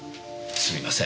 すみません。